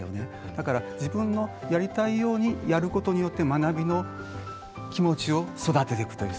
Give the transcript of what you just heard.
だから自分のやりたいようにやることによって学びの気持ちを育てていくというそういうやり方だと思うんです。